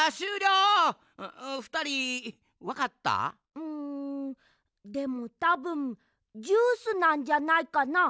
うんでもたぶんジュースなんじゃないかな？